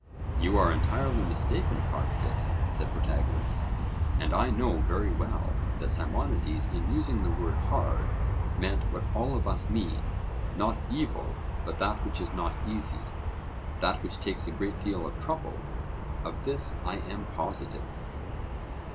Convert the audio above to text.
You are entirely mistaken, Prodicus, said Protagoras; and I know very well that Simonides in using the word 'hard' meant what all of us mean, not evil, but that which is not easy that which takes a great deal of trouble: of this I am positive.